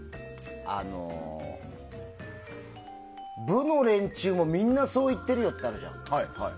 部の連中もみんなそう言ってるよってあるじゃない。